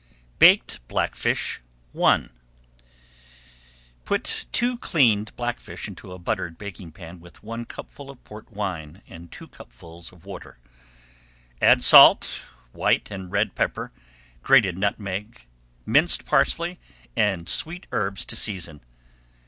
BAKED BLACKFISH I Put two cleaned blackfish into a buttered baking pan with one cupful of Port wine and two cupfuls of water. Add salt, white and red pepper, grated nutmeg, minced parsley, and sweet herbs to season.